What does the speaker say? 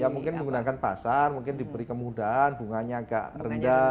ya mungkin menggunakan pasar mungkin diberi kemudahan bunganya agak rendah